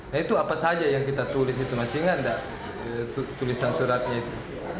nah itu apa saja yang kita tulis itu masingan tulisan suratnya itu